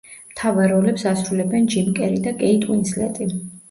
მთავარ როლებს ასრულებენ ჯიმ კერი და კეიტ უინსლეტი.